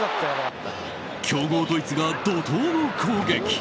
強豪ドイツが怒涛の攻撃。